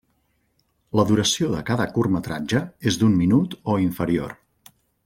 La duració de cada curtmetratge és d'un minut o inferior.